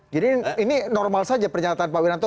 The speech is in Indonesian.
jadi ini normal saja pernyataan pak wiranto